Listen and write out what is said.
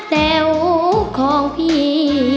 เตลของพี่